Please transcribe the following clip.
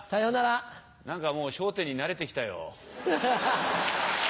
何かもう『笑点』に慣れてきたよ。